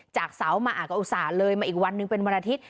จากเสามาก็อุตส่าห์เลยมาอีกวันหนึ่งเป็นวันอาทิตย์